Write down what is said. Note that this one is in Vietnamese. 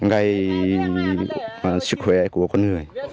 gây sức khỏe của con người